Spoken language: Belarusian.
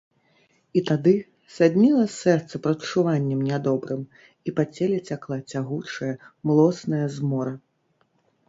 І тады садніла сэрца прадчуваннем нядобрым, і па целе цякла цягучая, млосная змора.